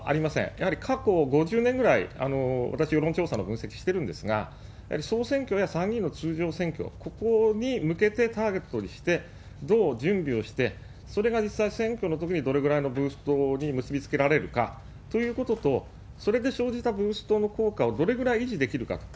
やはり過去５０年ぐらい、私、世論調査の分析してるんですが、やはり総選挙や参議院の通常選挙、ここに向けてターゲットとして、どう準備をして、それが実際選挙のときにどれぐらいのブーストに結び付けられるかということと、それで生じたブーストの効果をどれぐらい維持できるか。